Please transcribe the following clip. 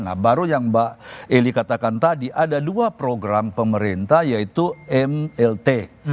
nah baru yang mbak eli katakan tadi ada dua program pemerintah yaitu mlt